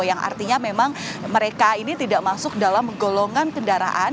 yang artinya memang mereka ini tidak masuk dalam golongan kendaraan